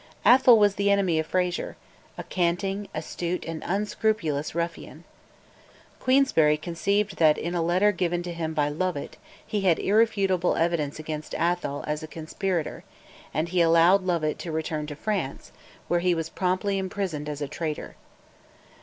Atholl was the enemy of Frazer, a canting, astute, and unscrupulous ruffian. Queensberry conceived that in a letter given to him by Lovat he had irrefutable evidence against Atholl as a conspirator, and he allowed Lovat to return to France, where he was promptly imprisoned as a traitor.